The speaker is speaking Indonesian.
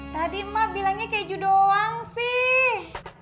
tadi mak bilangnya keju doang sih